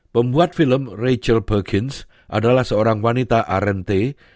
pembuat film rachel perkins adalah seorang wanita rnt